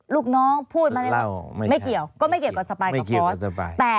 ลูกน้องพูดไม่เกี่ยวก็ไม่เกี่ยวกับสปายกับฟอส